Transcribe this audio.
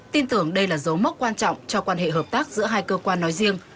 tin tưởng đây là dấu mốc quan trọng cho quan hệ hợp tác giữa hai cơ quan nói riêng